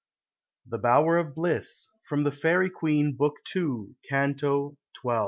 THE BOWER OF BLISS. FROM THE " FAERIE QUEENE," BOOK II. CANTO XII.